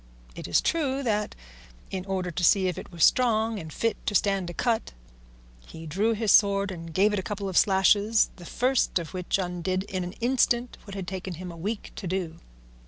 It is true that, in order to see if it was strong and fit to stand a cut, he drew his sword and gave it a couple of slashes, the first of which undid in an instant what had taken him a week to do.